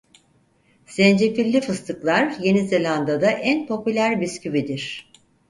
Zencefilli fıstıklar Yeni Zelanda'da en popüler bisküvidir.